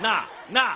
なあ？